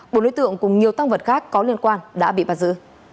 bộ đối tượng cùng nhiều tăng vật khác có liên quan đã bị bắt giữ